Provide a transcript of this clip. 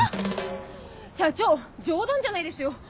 「社長冗談じゃないですよ！